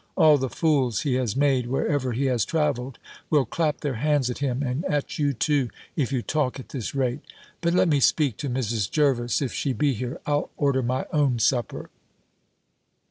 All the fools he has made wherever he has travelled, will clap their hands at him, and at you too, if you talk at this rate. But let me speak to Mrs. Jervis, if she be here: I'll order my own supper."